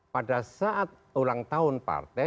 pada saat ulang tahun partai